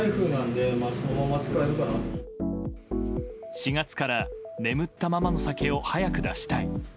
４月から眠ったままの酒を早く出したい。